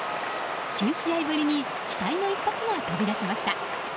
９試合ぶりに期待の一発が飛び出しました。